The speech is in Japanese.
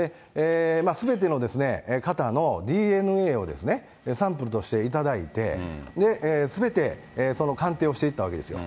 すべての方のＤＮＡをサンプルとして頂いて、すべて鑑定をしていったわけですよ。